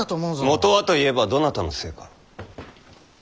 元はと言えばどなたのせいか。